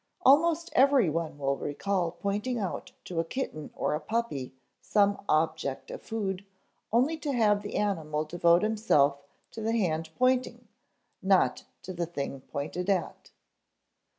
Almost every one will recall pointing out to a kitten or puppy some object of food, only to have the animal devote himself to the hand pointing, not to the thing pointed at.